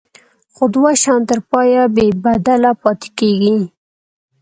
خو دوه شیان تر پایه بې بدله پاتې کیږي.